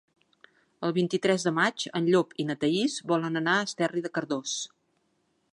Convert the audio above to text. El vint-i-tres de maig en Llop i na Thaís volen anar a Esterri de Cardós.